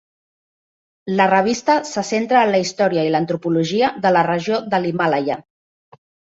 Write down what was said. La revista se centra en la història i l'antropologia de la regió de l'Himàlaia.